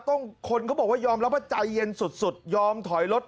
คนเขาบอกว่ายอมรับว่าใจเย็นสุดยอมถอยรถ